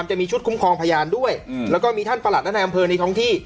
จะมีชุดคุ้มครองพยานด้วยแล้วก็มีท่านประหลัดและในอำเภอในท้องที่